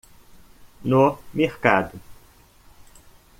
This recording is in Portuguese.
No mercado